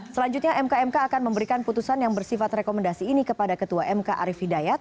selanjutnya mk mk akan memberikan putusan yang bersifat rekomendasi ini kepada ketua mk arief hidayat